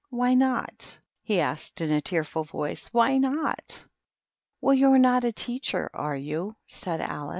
" Why not ?" he asked, in a tearful voice ; "why not?" " Well, you're not a teacher, are you?" said Alice.